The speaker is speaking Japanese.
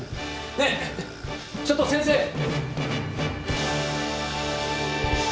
ねえちょっと先生！